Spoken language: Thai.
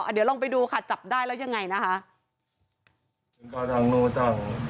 เดี๋ยวลองไปดูค่ะจับได้แล้วยังไงนะคะ